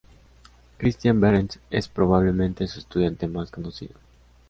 Christian Behrens es probablemente su estudiante más conocido.